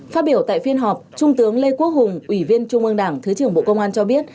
phát biểu tại phiên họp trung tướng lê quốc hùng ủy viên trung ương đảng thứ trưởng bộ công an cho biết